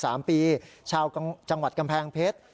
สามปีชาวจังหวัดกำแพงเพชร